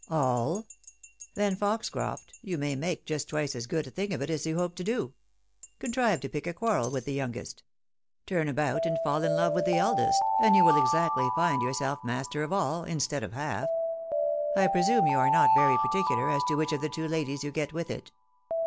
" All ! Then, Foxcroft, you may make just twice as good a thing of it as you hoped to do. Contrive to pick a quarrel with the youngest ; turn about and fall in love with the eldest, and you will exactly find yourself master of aU, instead of half. I presume you are not very particular as to which of the two ladies you get with it